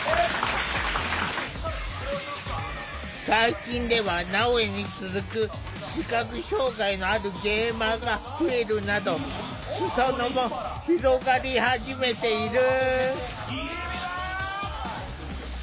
最近ではなおやに続く視覚障害のあるゲーマーが増えるなど裾野も広がり始めている。